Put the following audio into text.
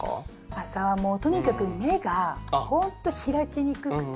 朝はもうとにかく目がほんと開きにくくてむくんでます。